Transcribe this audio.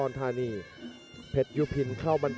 สวัสดีครับสวัสดีครับ